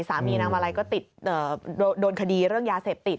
นางมาลัยก็ติดโดนคดีเรื่องยาเสพติด